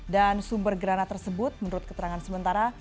dan sumber granat tersebut menurut keterangan sementara